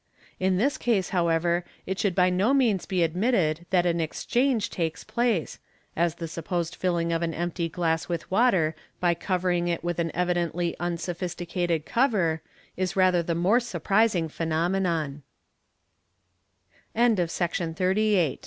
In this case, however, it should by no means be admitted that an exchange takes place, as the supposed filling of an empty glass with water by covering it with an evidently unsophisticated cover, is rather the more surprising phenomeno